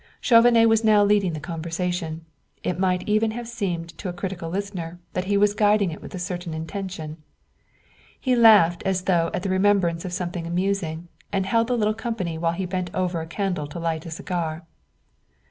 Chauvenet was now leading the conversation; it might even have seemed to a critical listener that he was guiding it with a certain intention. He laughed as though at the remembrance of something amusing, and held the little company while he bent over a candle to light a cigar.